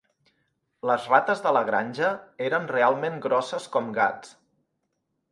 Les rates de La Granja eren realment grosses com gats